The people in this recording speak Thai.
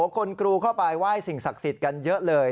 กรูเข้าไปไหว้สิ่งศักดิ์สิทธิ์กันเยอะเลย